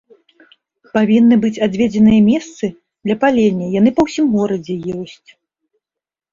Павінны быць адведзеныя месцы для палення, яны па ўсім горадзе ёсць.